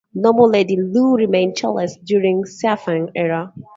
Noble Lady Lu remained childless during Xianfeng era.